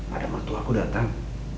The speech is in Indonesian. ada mertua aku datang